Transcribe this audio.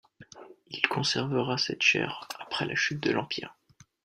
Il conservera cette chaire après la chute de l'Empire.